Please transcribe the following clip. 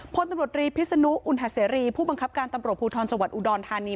พลตำรวจรีพิศนุอุณหาเสรีผู้บังคับการตำรวจภูทรจังหวัดอุดรธานี